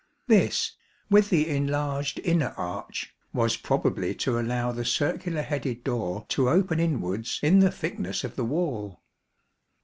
This, with the enlarged inner arch, was probably to allow the circular headed door to open inwards in the thickness of the wall.